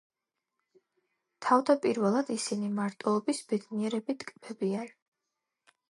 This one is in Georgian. თავდაპირველად ისინი მარტოობის ბედნიერებით ტკბებიან.